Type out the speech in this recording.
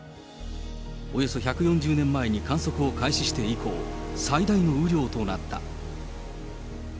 およそ１４０年前に観測を開始して以降、最大の雨量となった。